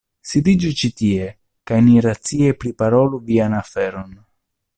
Sidiĝu ĉi tie, kaj ni racie priparolu vian aferon.